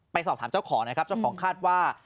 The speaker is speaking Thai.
สอบถามเจ้าของนะครับเจ้าของคาดว่า